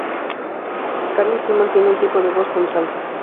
Carly Simon tiene un tipo de voz contralto.